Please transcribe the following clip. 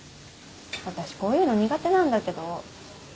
私こういうの苦手なんだけど。